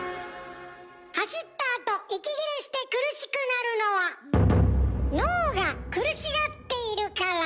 走ったあと息切れして苦しくなるのは脳が苦しがっているから。